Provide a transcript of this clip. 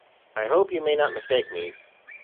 I hope you may not mistake me.